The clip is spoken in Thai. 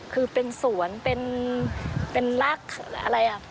คือเป็นสวนเป็นรากอะไรอ่ะ